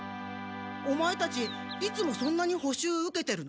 オマエたちいつもそんなにほ習受けてるの？